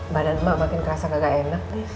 badan mak makin kerasa kagak enak